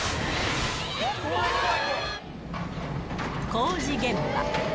工事現場。